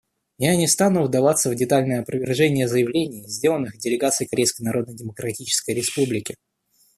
Я не стану вдаваться в детальное опровержение заявлений, сделанных делегацией Корейской Народно-Демократической Республики.